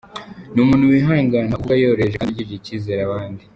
N umuntu wihangana, uvuga yoroheje kandi ugirira icyizere abandi.